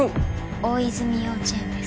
王泉幼稚園です